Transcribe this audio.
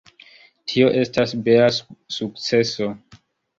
Tio estas bela sukceso.